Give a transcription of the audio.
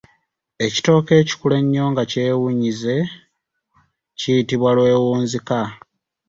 Ekitooke ekikula ennyo nga kyewunyize kiyitibwa lwewunzika.